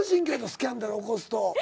スキャンダル起こすと。